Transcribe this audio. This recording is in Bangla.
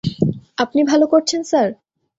আপনি ভালো করছেন, স্যার?